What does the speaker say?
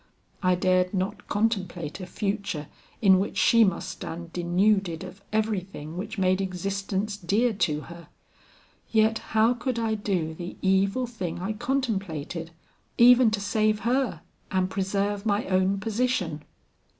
I dared not contemplate a future in which she must stand denuded of everything which made existence dear to her; yet how could I do the evil thing I contemplated, even to save her and preserve my own position!